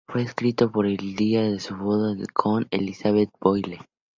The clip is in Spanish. Fue escrito para el día de su boda con Elizabeth Boyle.